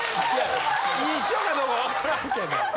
一緒かどうか分からんけど。